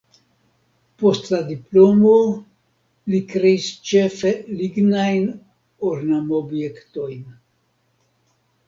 Post la diplomo li kreis ĉefe lignajn ornamobjektojn.